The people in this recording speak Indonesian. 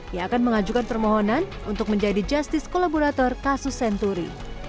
yang akan mengajukan permohonan untuk menjadi justice kolaborator kasus senturi